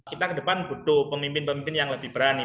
kita ke depan butuh pemimpin pemimpin yang lebih berani